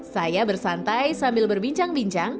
saya bersantai sambil berbincang bincang